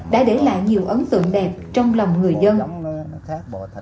đã để lại nhiều ấn tượng đẹp trong lòng người dân